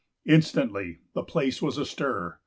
Instantly the place was astir.